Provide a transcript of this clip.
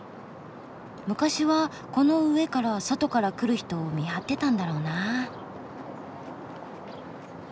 昔はこの上から外から来る人を見張ってたんだろうな。